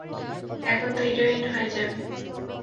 এখন তো হিরোইন হয়ে যাবে।